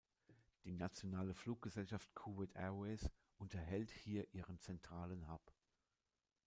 Die nationale Fluggesellschaft Kuwait Airways unterhält hier ihren zentralen Hub.